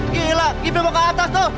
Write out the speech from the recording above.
gila gitu mau ke atas tuh